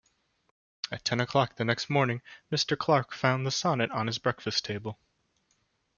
At ten o'clock the next morning, Mr. Clarke found the sonnet on his breakfast-table.